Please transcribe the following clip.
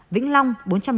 vĩnh long bốn trăm linh bốn